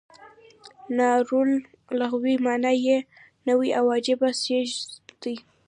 ناول لغوي معنا یې نوی او عجیبه څیز دی.